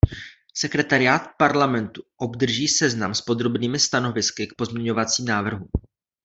Sekretariát Parlamentu obdrží seznam s podrobnými stanovisky k pozměňovacím návrhům.